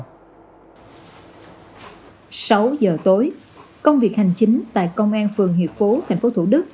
sáu giờ tối công việc hành chính tại công an phường hiệp phú thành phố thủ đức